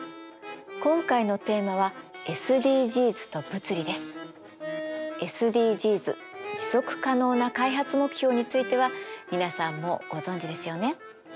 今回のテーマはＳＤＧｓ持続可能な開発目標については皆さんもうご存じですよね。